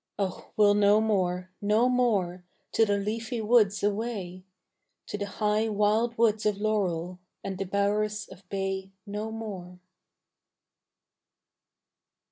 Oh we'll no more, no more To the leafy woods away, To the high wild woods of laurel And the bowers of bay no more.